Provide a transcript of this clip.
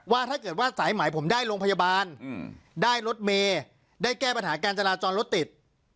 ว่าถ้าเกิดว่าสายหมายผมได้โรงพยาบาลได้รถเมย์ได้แก้ปัญหาการจราจรรถติด